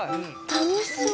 楽しそう。